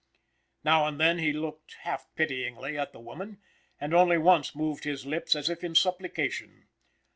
Now and then he looked half pityingly at the woman, and only once moved his lips, as if in supplication.